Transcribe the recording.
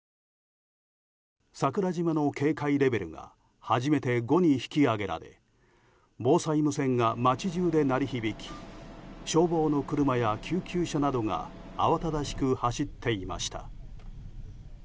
桜島の警戒レベルが初めて５に引き上げられ防災無線が町中で鳴り響き消防の車や救急車などがあわただしく走っていました。